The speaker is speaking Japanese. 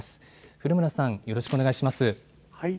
古村さん、よろしくお願いします。